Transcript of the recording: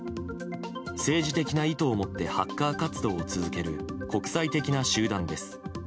政治的な意図を持ってハッカー活動を続ける国際的な集団です。